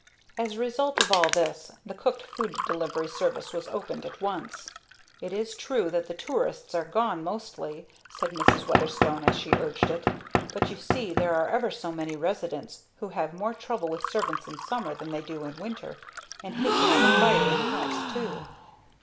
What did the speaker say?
As a result of all this the cooked food delivery service was opened at once. "It is true that the tourists are gone, mostly," said Mrs. Weatherstone, as she urged it, "but you see there are ever so many residents who have more trouble with servants in summer than they do in winter, and hate to have a fire in the house, too."